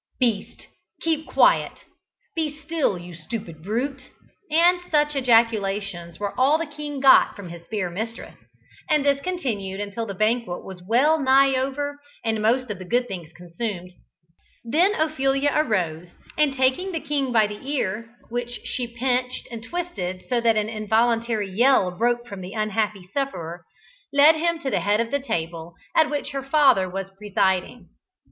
"Beast, keep quiet." "Be still, you stupid brute," and such like ejaculations were all the king got from his fair mistress, and this continued until the banquet was well nigh over, and most of the good things consumed. Then Ophelia arose, and taking the king by the ear (which she pinched and twisted so that an involuntary yell broke from the unhappy sufferer), led him to the head of the table at which her father was presiding.